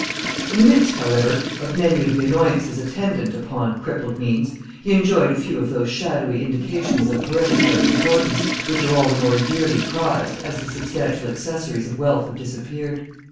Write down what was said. In the midst, however, of many of the annoyances attendant upon crippled means, he enjoyed a few of those shadowy indications of hereditary importance, which are all the more dearly prized, as the substantial accessories of wealth have disappeared.